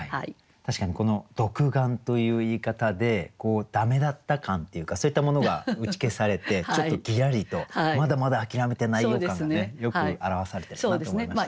確かにこの「独眼」という言い方で駄目だった感っていうかそういったものが打ち消されてちょっとギラリとまだまだ諦めてないよ感がねよく表されてるなと思いましたね。